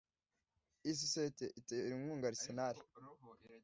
Iyi sosiyete itera inkunga Arsenal